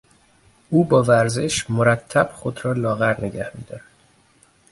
او با ورزش مرتب خود را لاغر نگه میدارد.